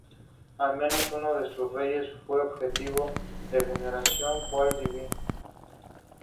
Al menos uno de sus reyes fue objeto de veneración cuasi divina.